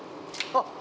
あっ！